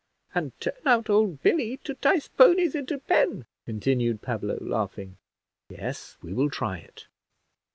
And turn out old Billy to 'tice ponies into pen," continued Pablo, laughing. "Yes, we will try it."